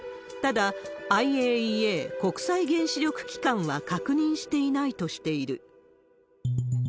ただ、ＩＡＥＡ・国際原子力機関は確認していないとしている。